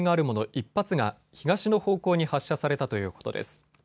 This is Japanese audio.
１発が東の方向に発射されたということです。